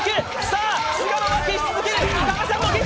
さあ、菅野が消し続ける。